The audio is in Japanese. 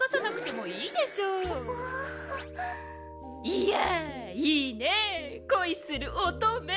いやいいねぇ恋する乙女！